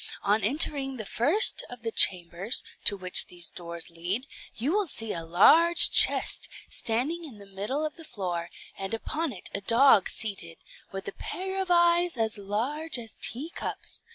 On entering the first of the chambers, to which these doors lead, you will see a large chest, standing in the middle of the floor, and upon it a dog seated, with a pair of eyes as large as teacups.